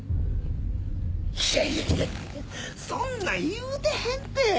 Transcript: いやいやいやそんな言うてへんて！